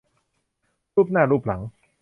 ลูบหน้าลูบหลัง